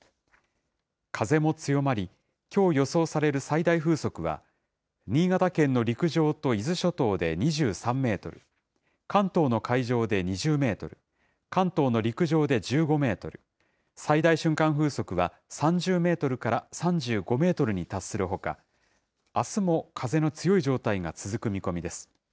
風も強まり、きょう予想される最大風速は、新潟県の陸上と伊豆諸島で２３メートル、関東の海上で２０メートル、関東の陸上で１５メートル、最大瞬間風速は３０メートルから３５メートルに達するほか、あすも風の強い状態が続く見込みです。